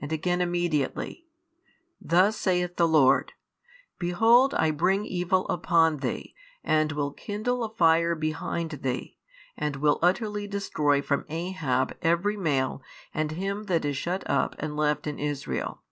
And again immediately: Thus saith the Lord, Behold I bring evil upon thee, and will kindle a fire behind thee, and will utterly destroy from Ahab every male and him that is shut up and left in Israel.